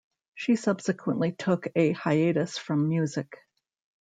She subsequently took a hiatus from music.